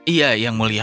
iya yang mulia